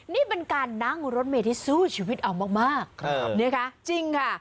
นี่เป็นการนั่งรถเมย์ที่สู้ชีวิตเอามากนะคะจริงค่ะ